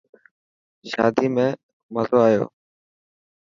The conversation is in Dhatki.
شادي ۾ مزو آيو.